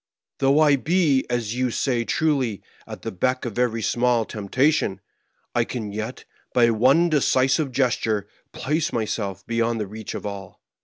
Though I be, as you say truly, at the beck of every small temptation, I can yet, by one decisive gesture, place myself beyond the reach of all.